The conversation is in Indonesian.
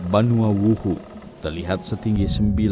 banu wawuhu terlihat setinggi sembilan